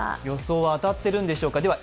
予想は当たっているんでしょうか。